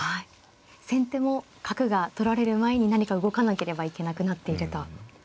先手も角が取られる前に何か動かなければいけなくなっていると。